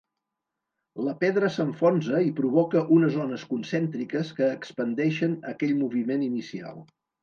La pedra s’enfonsa i provoca unes ones concèntriques que expandeixen aquell moviment inicial.